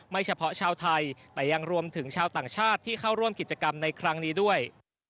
เฉพาะชาวไทยแต่ยังรวมถึงชาวต่างชาติที่เข้าร่วมกิจกรรมในครั้งนี้ด้วย